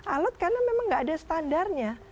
ahlot karena memang gak ada standarnya